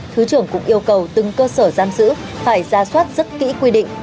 thứ trưởng cũng yêu cầu từng cơ sở giam giữ phải ra soát rất kỹ quy định